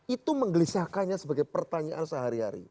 itu menggelisahkannya sebagai pertanyaan sehari hari